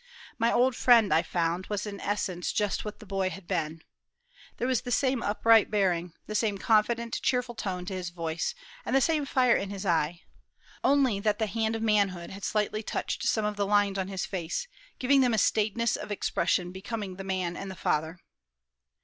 My old friend, I found, was in essence just what the boy had been. There was the same upright bearing, the same confident, cheerful tone to his voice, and the same fire in his eye; only that the hand of manhood had slightly touched some of the lines of his face, giving them a staidness of expression becoming the man and the father.